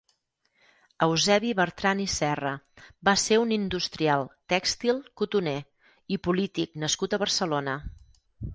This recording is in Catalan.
Eusebi Bertrand i Serra va ser un industrial tèxtil cotoner, i polític nascut a Barcelona.